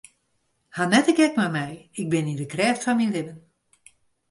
Haw net de gek mei my, ik bin yn de krêft fan myn libben.